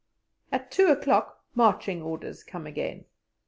At two o'clock marching orders come again.